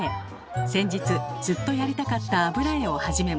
先日ずっとやりたかった油絵を始めました。